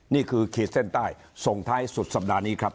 ขีดเส้นใต้ส่งท้ายสุดสัปดาห์นี้ครับ